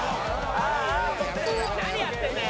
何やってんだよ！